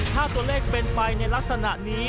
ถ้าตัวเลขเป็นไปในลักษณะนี้